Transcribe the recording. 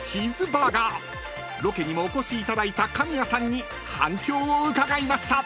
［ロケにもお越しいただいた神谷さんに反響を伺いました］